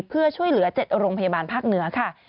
เพื่อช่วยเหลือ๗โรงพยาบาลภาคเหนือค่ะ